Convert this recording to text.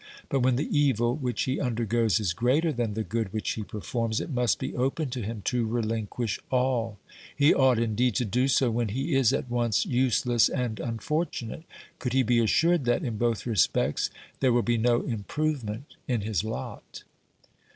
But when the evil which he undergoes is greater than the good which he performs, it must be open to him to relinquish all ; he ought indeed to do so when he is at once useless and unfortunate, could he be assured that, in both respects, there will be no improvement in his lot.